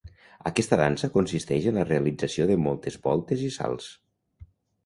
Aquesta dansa consisteix en la realització de moltes voltes i salts.